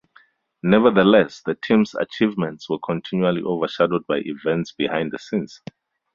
Nevertheless, the team's achievements were continually overshadowed by events behind the scenes.